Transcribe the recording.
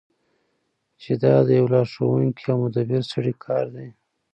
چی دا د یو لارښوونکی او مدبر سړی کار دی.